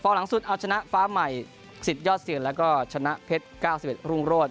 หลังสุดเอาชนะฟ้าใหม่สิทธิ์ยอดเสียงแล้วก็ชนะเพชร๙๑รุ่งโรศ